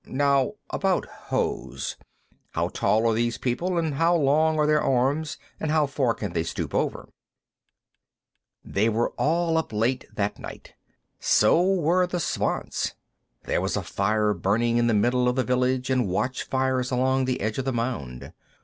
Now, about hoes; how tall are these people, and how long are their arms, and how far can they stoop over?" They were all up late, that night. So were the Svants; there was a fire burning in the middle of the village, and watch fires along the edge of the mound.